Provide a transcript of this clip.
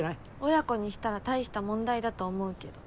親子にしたら大した問題だと思うけど。